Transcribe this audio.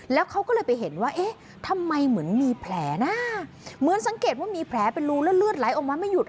แล้วเขาก็เลยไปเห็นว่าเอ๊ะทำไมเหมือนมีแผลนะเหมือนสังเกตว่ามีแผลเป็นรูแล้วเลือดไหลออกมาไม่หยุด